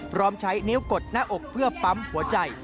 พร้อมใช้นิ้วกดหน้าอกเพื่อปั๊มหัวใจ